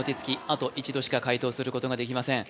あと１度しか解答することができません